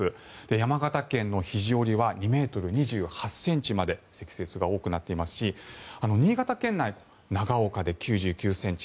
山形県の肘折は２ｍ２８ｃｍまで積雪が多くなっていますし新潟県内、長岡で９９ｃｍ